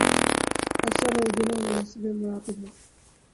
اثر اور دونوں حسب مراتب ہیں۔